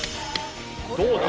どうだ？